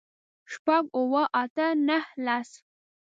شپږ، اووه، اته، نهه، لس